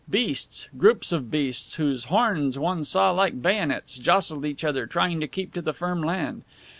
Beasts, groups of beasts, whose horns one saw like bayonets, jostled each other trying to keep to the firm land.